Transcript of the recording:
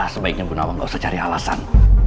sebaiknya bunda wang gak usah cari alasan